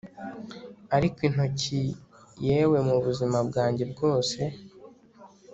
ariko intoki yewe mubuzima bwanjye bwose